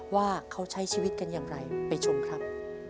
ว่าเขาใช้ชีวิตกันอย่างไรไปชมครับ